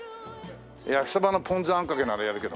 焼きそばのぽんずあんかけならやるけど。